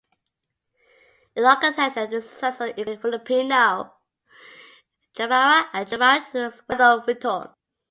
In architecture, his successors include Filippo Juvarra, and Juvarra's pupil Bernardo Vittone.